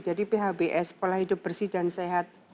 jadi phbs pola hidup bersih dan sehat